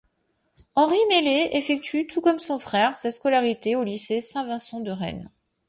Henri Mellet effectue tout comme son frère sa scolarité au lycée Saint-Vincent de Rennes.